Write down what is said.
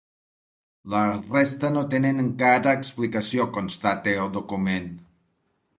“La resta no tenen encara explicació”, constata el document.